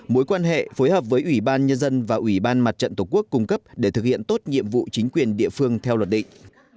mối quan hệ phối hợp với ủy ban nhân dân và ủy ban mặt trận tổ quốc cung cấp để thực hiện tốt nhiệm vụ chính quyền địa phương theo luật định